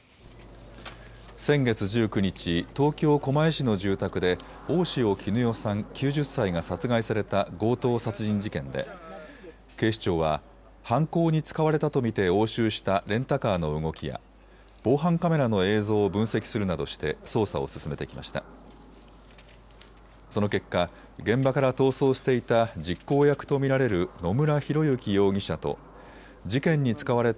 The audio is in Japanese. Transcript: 先月１９日、東京狛江市の住宅で大塩衣與さん、９０歳が殺害された強盗殺人事件で警視庁は犯行に使われたと見て押収したレンタカーの動きや防犯カメラの映像を分析するなどして捜査を進めてきました。